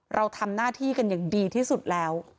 เราทำหน้าที่กันอย่างดีที่สุดแล้ว